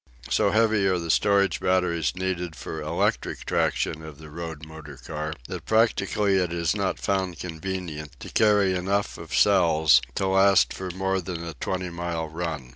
So heavy are the storage batteries needed for electric traction of the road motor car that practically it is not found convenient to carry enough of cells to last for more than a twenty mile run.